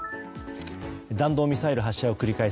弾道ミサイル発射を繰り返す